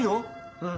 うん。